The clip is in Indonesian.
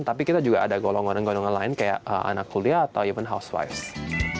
tapi kita juga ada golongan golongan lain kayak anak kuliah atau even housewives